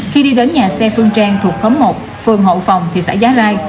khi đi đến nhà xe phương trang thuộc khóm một phường hộ phòng thị xã giá rai